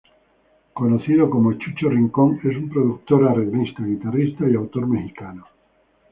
Conocido como Chucho Rincón, es un productor, arreglista, guitarrista y autor Mexicano.